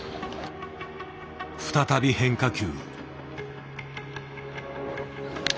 再び変化球。